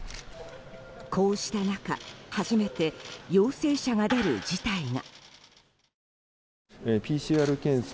こうした中初めて陽性者が出る事態が。